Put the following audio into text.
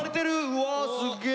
うわすっげえ！